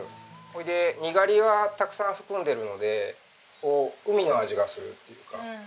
でにがりをたくさん含んでるのでこう海の味がするっていうか。